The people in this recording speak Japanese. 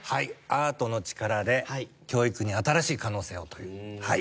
アートの力で教育に新しい可能性をという。